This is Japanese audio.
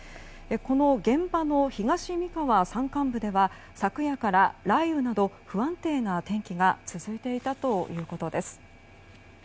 現場の東三河山間部では昨夜から雷雨など不安定な天気が続いていたということです。